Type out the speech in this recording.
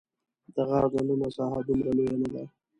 د غار دننه ساحه دومره لویه نه ده.